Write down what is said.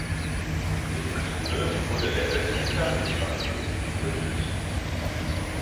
In diesem Zuge wurde der Oelsnitzer Fußballclub gegründet.